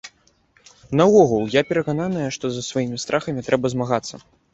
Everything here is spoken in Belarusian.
Наогул, я перакананая, што са сваімі страхамі трэба змагацца.